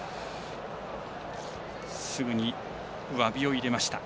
すぐに、わびを入れました。